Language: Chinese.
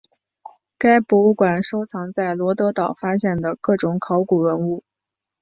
该博物馆收藏在罗得岛发现的各种考古文物。